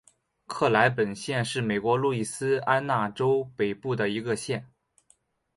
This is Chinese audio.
克莱本县是美国路易斯安那州北部的一个县。